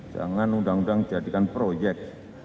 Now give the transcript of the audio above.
jangan undang undang jadikan proyek